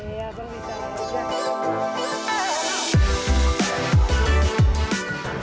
iya kan bisa lah